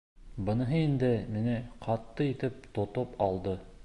Быныһы инде мине ҡаты итеп тотоп алды.